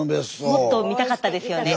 もっと見たかったですよね。